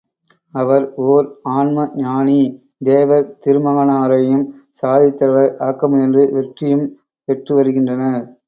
அவர் ஒர் ஆன்ம ஞானி தேவர் திருமகனாரையும் சாதித்தலைவர் ஆக்க முயன்று வெற்றியும் பெற்று வருகின்றனர்.